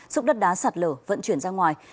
giúp đất đá sạt lở vận chuyển ra ngoài